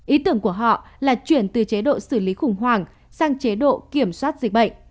ý tưởng của họ là chuyển từ chế độ xử lý khủng hoảng sang chế độ kiểm soát dịch bệnh